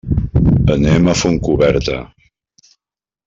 Anem a Fontcoberta.